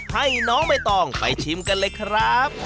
ให้น้องใบตองไปชิมกันเลยครับ